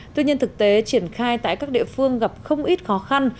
tuy nhiên thực tế triển khai tại các địa phương gặp không ít khó khăn